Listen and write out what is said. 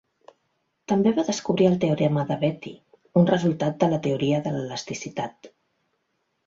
També va descobrir el teorema de Betti, un resultat de la teoria de l'elasticitat.